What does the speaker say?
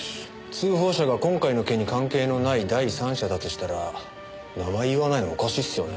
通報者が今回の件に関係のない第三者だとしたら名前言わないのおかしいっすよね。